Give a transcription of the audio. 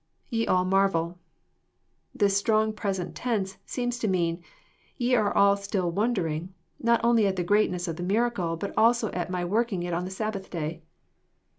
[ Te all marvel.'] This strong present tense seems to mean, ye are all still wondering/* not only at the greatness of the i. miracle, but also at my working it on the Sabbath day.